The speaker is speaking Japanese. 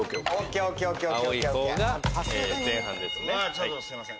ちょっとすいません。